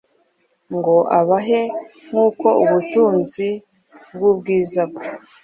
ngo abahe nk’uko ubutunzi bw’ubwiza bwe